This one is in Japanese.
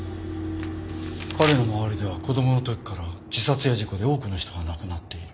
彼の周りでは子供のときから自殺や事故で多くの人が亡くなっている。